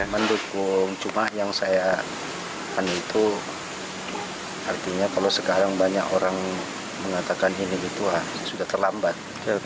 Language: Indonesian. mendukung cuma yang saya kan itu artinya kalau sekarang banyak orang mengatakan ini gitu sudah terlambat